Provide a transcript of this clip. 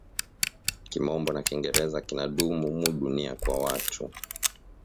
Kimombo na kingereza kina dumu mu dunia kwa watu